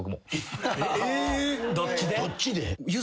どっちで？